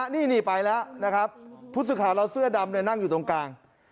นี่นะผู้สึกข่าวเราเสื้อดำนั่งอยู่ตรงกลาง